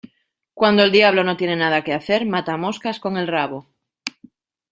Cuando el diablo no tiene nada que hacer mata moscas con el rabo.